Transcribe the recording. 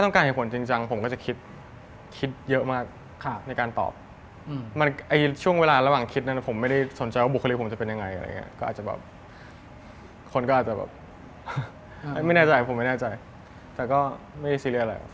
ต้องการเหตุผลจริงอะไรอย่างนี้